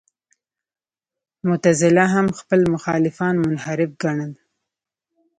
معتزله هم خپل مخالفان منحرف ګڼل.